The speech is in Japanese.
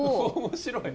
面白い！